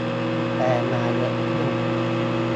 แปลมา เยอะขึ้น